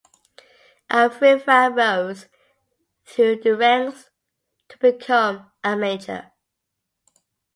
Afrifa rose through the ranks to become a Major.